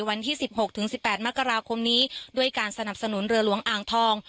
วันที่๑๖๑๘มกราคมนี้ด้วยการสนับสนุนเรือหลวงอ่างทอง